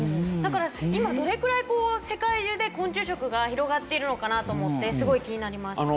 だから今どれくらい世界中で昆虫食が広がっているのかなと思ってすごい気になります。